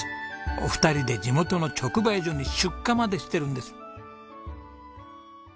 お二人で地元の直売所に出荷までしてるんです。